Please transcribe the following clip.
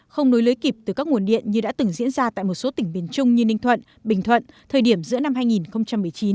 không nối lưới kịp từ các nguồn điện như đã từng diễn ra tại một số tỉnh biển trung như ninh thuận bình thuận thời điểm giữa năm hai nghìn một mươi chín